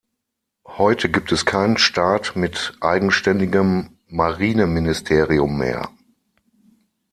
Heute gibt es keinen Staat mit eigenständigem Marineministerium mehr.